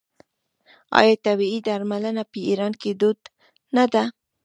آیا طبیعي درملنه په ایران کې دود نه ده؟